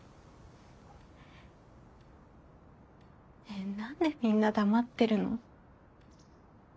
ねえ何でみんな黙ってるの？